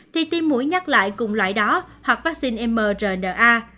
thì tim mũi nhắc lại cùng loại đó hoặc vaccine mrna